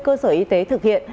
ba mươi cơ sở y tế thực hiện